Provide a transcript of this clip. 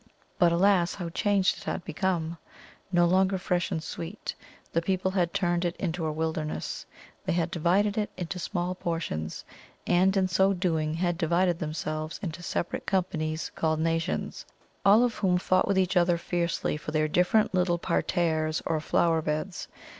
But alas! how changed it had become! No longer fresh and sweet, the people had turned it into a wilderness; they had divided it into small portions, and in so doing had divided themselves into separate companies called nations, all of whom fought with each other fiercely for their different little parterres or flower beds.